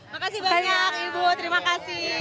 makasih banyak ibu terima kasih